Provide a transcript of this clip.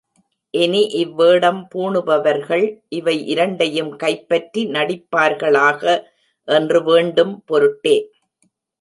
இனி இவ் வேடம் பூணுபவர்கள் இவை இரண்டையும் கைப்பற்றி நடிப்பார்களாக என்று வேண்டும் பொருட்டே.